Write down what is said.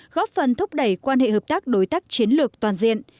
góp phần thúc đẩy quan hệ hợp tác đối tác chiến lược toàn diện